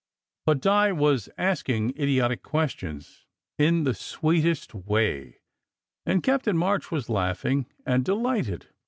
But Di was asking idiotic questions in the sweetest way, and Captain March was laughing and delighted.